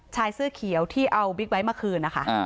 ชายเสื้อเขียวที่เอาบิ๊กไบท์เมื่อคืน